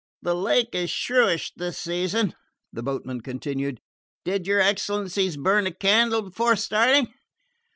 "The lake is shrewish at this season," the boatman continued. "Did your excellencies burn a candle before starting?"